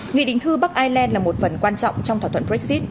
nghị định thư bắc ireland là một phần quan trọng trong thỏa thuận brexit